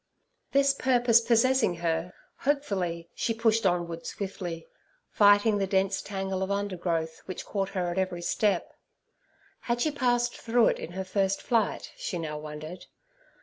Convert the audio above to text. This purpose possessing her, hopefully she pushed onward swiftly, fighting the dense tangle of undergrowth which caught her at every step. Had she passed through it in her first flight? she now wondered.